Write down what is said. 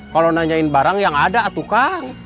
kalau nanyain barang yang ada tukang